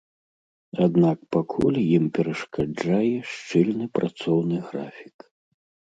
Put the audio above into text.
Аднак пакуль ім перашкаджае шчыльны працоўны графік.